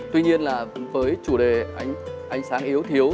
tuy nhiên là với chủ đề ánh sáng yếu thiếu